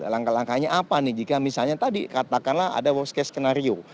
langkah langkahnya apa nih jika misalnya tadi katakanlah ada worst case skenario